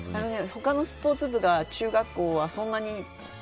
他のスポーツ部が中学校はそんなに。